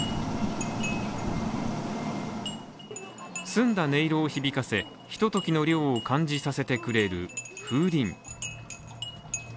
澄んだ音色を響かせ、ひとときの涼を感じさせてくれる風鈴。